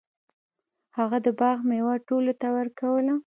هغه د باغ میوه ټولو ته ورکوله.